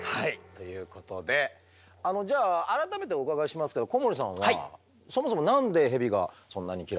ということでじゃあ改めてお伺いしますけど小森さんはそもそも何でヘビがそんなに嫌いなんだってありますか？